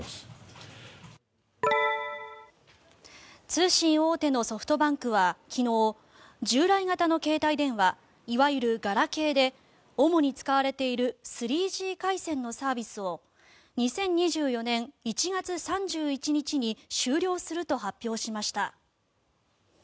通信大手のソフトバンクは昨日従来型の携帯電話いわゆるガラケーで主に使われている３Ｇ回線のサービスを２０２４年１月３１日に終了すると発表しました。